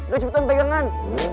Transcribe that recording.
gue cepetan pegangan